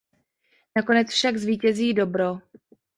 Nakonec však zvítězí dobro.